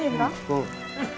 うん。